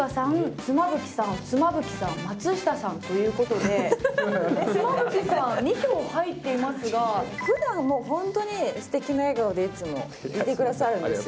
妻夫木さん妻夫木さん松下さんということで妻夫木さん２票入っていますがふだんもうホントに素敵な笑顔でいつもいてくださるんですよ